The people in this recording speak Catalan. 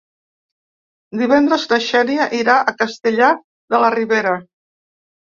Divendres na Xènia irà a Castellar de la Ribera.